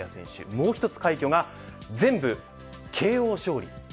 もう一つ快挙が、全部ＫＯ勝利。